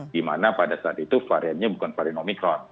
di mana pada saat itu variannya bukan varian omikron